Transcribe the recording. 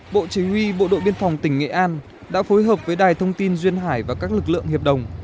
bộ chỉ huy bộ đội biên phòng tỉnh nghệ an đã phối hợp với đài thông tin duyên hải và các lực lượng hiệp đồng